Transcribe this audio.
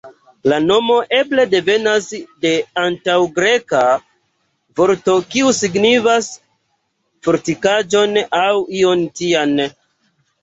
La nomo eble devenas de antaŭ-Greka vorto kiu signifas "fortikaĵon" aŭ ion tian.